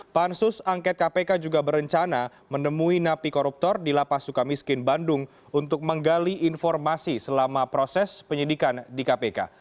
pansus angket kpk juga berencana menemui napi koruptor di lapas suka miskin bandung untuk menggali informasi selama proses penyidikan di kpk